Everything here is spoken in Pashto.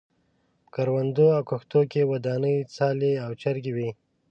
په کروندو او کښتو کې ودانې څالې او چرګۍ وې.